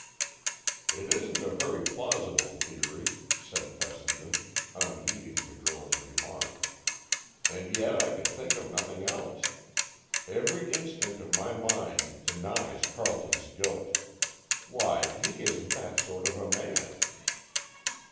"It isn't a very plausible theory," said Fessenden, unheeding the girl's remark, "and yet I could think of nothing else. Every instinct of my mind denies Carleton's guilt. Why, he isn't that sort of a man!"